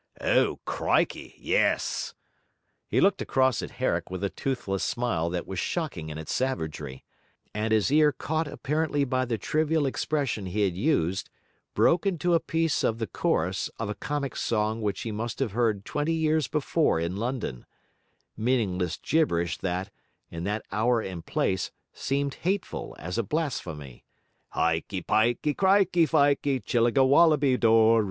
'O crikey, yes!' He looked across at Herrick with a toothless smile that was shocking in its savagery; and his ear caught apparently by the trivial expression he had used, broke into a piece of the chorus of a comic song which he must have heard twenty years before in London: meaningless gibberish that, in that hour and place, seemed hateful as a blasphemy: 'Hikey, pikey, crikey, fikey, chillingawallaba dory.'